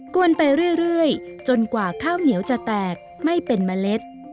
วนไปเรื่อยจนกว่าข้าวเหนียวจะแตกไม่เป็นเมล็ด